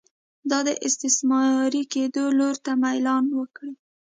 دا د استثماري کېدو لور ته میلان وکړي.